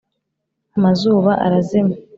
Amazuba arazima.